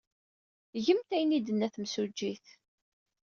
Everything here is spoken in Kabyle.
Gemt ayen ay d-tenna temsujjit.